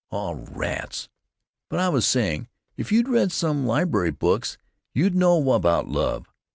"Oh, rats! But I was saying, if you'd read some library books you'd know about love.